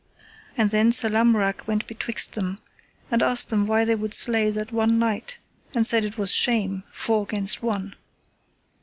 And then Sir Lamorak went betwixt them, and asked them why they would slay that one knight, and said it was shame, four against one.